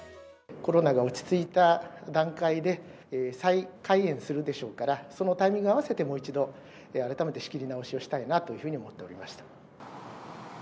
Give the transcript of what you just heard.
コロナが落ち着いた段階で、再開園するでしょうから、そのタイミングに合わせて、もう一度、改めて仕切り直しをしたいなというふうに思っております。